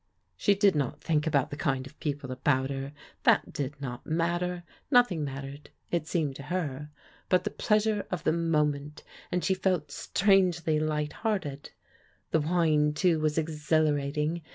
She did not think about the kind of people about her. That did not matter ; nothing mattered, it seemed to her, but the pleasure of the moment, and she felt strangely light hearted. The wine, too, was exhilarating.